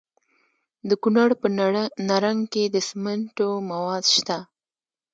د کونړ په نرنګ کې د سمنټو مواد شته.